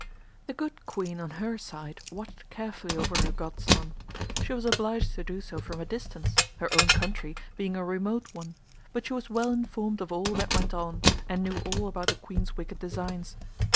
The 'Good Queen' on her side watched carefully over her godson. She was obliged to do so from a distance, her own country being a remote one, but she was well informed of all that went on and knew all about the Queen's wicked designs.